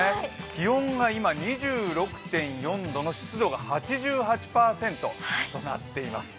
気温が今、２６．４度の湿度が８８％となっています。